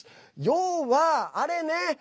要は、あれね。